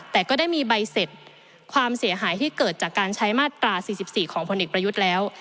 แต่ก็ได้มีใบเสร็จความเสียหายที่เกิดจากการใช้มาตรา๔๔ของพลเอกประยุทธ์แล้ว